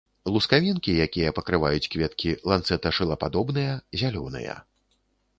Лускавінкі, якія пакрываюць кветкі, ланцэта-шылападобныя, зялёныя.